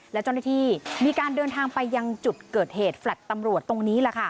และเจ้าหน้าที่มีการเดินทางไปยังจุดเกิดเหตุแฟลต์ตำรวจตรงนี้